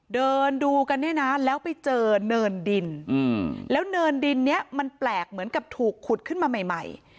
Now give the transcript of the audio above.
เดินดูกันเนี่ยนะแล้วไปเจอเนินดินแล้วเนินดินนี้มันแปลกเหมือนกับถูกขุดขึ้นมาใหม่